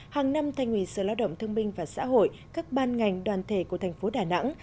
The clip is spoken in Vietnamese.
hàng năm thanh nguyên sự lao động thương minh và xã hội các ban ngành đoàn thể của thành phố đà nẵng